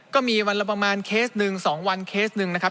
ก็มีวันละประมาณเคสหนึ่ง๒วันเคสหนึ่งนะครับ